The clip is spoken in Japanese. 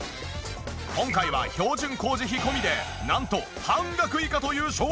今回は標準工事費込みでなんと半額以下という衝撃価格！